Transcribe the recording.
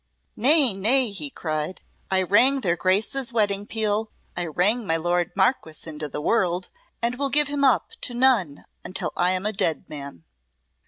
"Nay! nay!" he cried; "I rang their Graces' wedding peal I rang my lord Marquess into the world, and will give him up to none until I am a dead man."